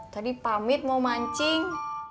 tadi pamit mau mancing